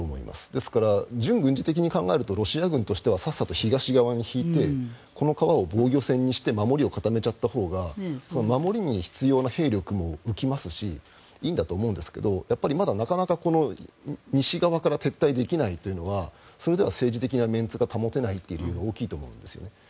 ですから、純軍事的に考えるとロシア軍としてはさっさと東側に引いてこの川を防御線にして守りを固めちゃったほうが守りに必要な兵力も浮きますしいいんだと思いますがやっぱりまだ、なかなか西側から撤退できないというのはそれでは政治的なメンツが保てないという理由も大きいんですね。